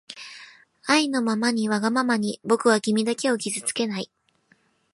あいのままにわがままにぼくはきみだけをきずつけない